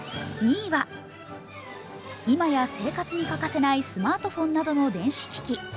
今や生活に欠かせないスマートフォンなどの電子機器。